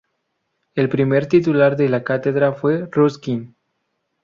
El primer titular de la cátedra fue Ruskin.